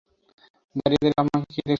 দাঁড়িয়ে দাঁড়িয়ে আমাকে কি দেখছ?